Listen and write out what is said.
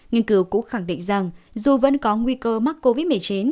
nghiên cứu cũng khẳng định rằng dù vẫn có nguy cơ mắc covid một mươi chín